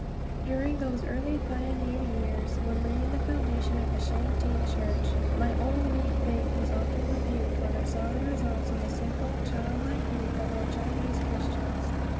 During those early pioneer years, when laying the foundation of the Changte Church, my own weak faith was often rebuked when I saw the results of the simple, child like faith of our Chinese Christians.